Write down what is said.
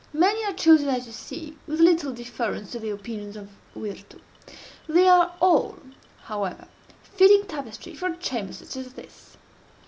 Many are chosen, as you see, with little deference to the opinions of Virtu. They are all, however, fitting tapestry for a chamber such as this.